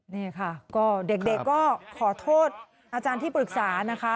นี่ค่ะก็เด็กก็ขอโทษอาจารย์ที่ปรึกษานะคะ